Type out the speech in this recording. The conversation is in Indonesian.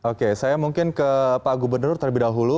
oke saya mungkin ke pak gubernur terlebih dahulu